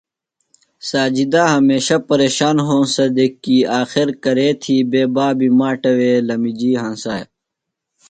ساجدہ ہمیشہ پیرِشان ہونسہ دےۡ کی آخر کرے تھی بےۡ بابی ماٹہ وے لمِجیۡ ہنسیا۔